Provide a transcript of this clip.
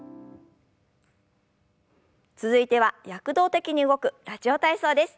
続いては躍動的に動く「ラジオ体操」です。